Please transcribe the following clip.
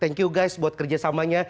thank you guys buat kerjasamanya